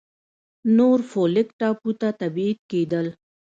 نورفولک ټاپو ته تبعید کېدل.